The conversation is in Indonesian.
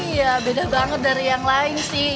iya beda banget dari yang lain sih